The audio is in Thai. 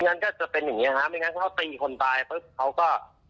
ไม่งั้นก็จะเป็นอย่างนี้ครับไม่งั้นเขาตีคนตายเพิ่งเขาก็